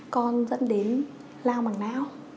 con dẫn đến lao bằng láo